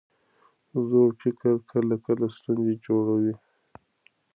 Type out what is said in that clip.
زوړ فکر کله کله ستونزې جوړوي.